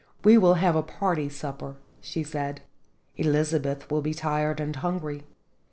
" We will have a party supper," she said. "Elizabeth will be tired and hungry.